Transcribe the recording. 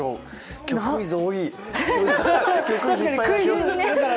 今日クイズ多い。